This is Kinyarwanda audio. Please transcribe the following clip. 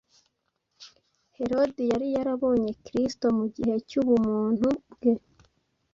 Herode yari yarabonye Kristo mu gihe cy’ubumuntu bwe;